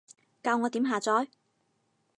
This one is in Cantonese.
教我點下載？